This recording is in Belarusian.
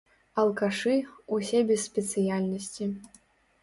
Алкашы, ўсе без спецыяльнасці.